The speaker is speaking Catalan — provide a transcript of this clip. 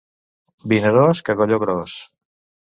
Vinaròs, cagalló gros.